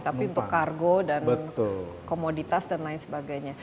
tapi untuk kargo dan komoditas dan lain sebagainya